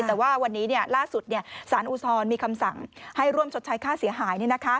แต่ว่าวันนี้ล่าสุดสารอุทธรณ์มีคำสั่งให้ร่วมชดใช้ค่าเสียหาย